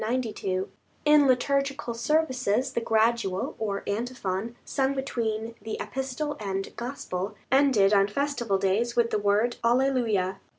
In liturgical services the Gradual or Antiphon, sung between the Epistle and Gospel, ended on festival days with the word Alleluia.